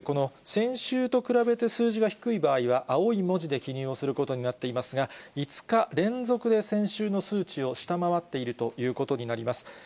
現在のところ、この先週と比べて、数字が低い場合は青い文字で記入をすることになっていますが、５日連続で、先週の数値を下回っているということになります。